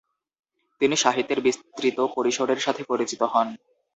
তিনি সাহিত্যের বিস্তৃত পরিসরের সাথে পরিচিত হন।